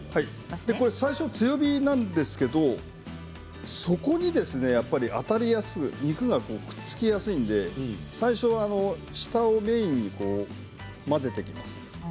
最初は強火なんですけれどそこに当たりやすいというか肉がくっつきやすいので最初は下をメインに混ぜていきます。